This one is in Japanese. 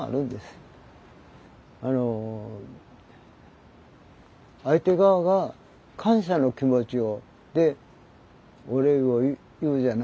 あの相手側が感謝の気持ちをでお礼を言うじゃないですか。